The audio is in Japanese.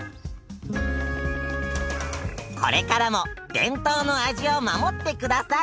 これからも伝統の味を守って下さい。